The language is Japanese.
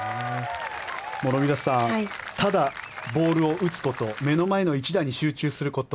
諸見里さんただボールを打つこと目の前の一打に集中すること。